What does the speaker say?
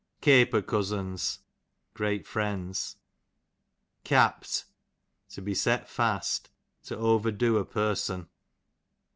Caper cousins, great friends. Capt, to be set fast, to overdo a person.